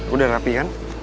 udah rapi kan